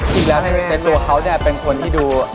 จริงแล้วในตัวเขาเนี่ยเป็นคนที่ดู